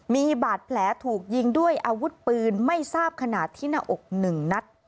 มีบาดแผลถูกยิงด้วยอาวุธปืนไม่ทราบขนาดที่หน้าอกหนึ่งนัด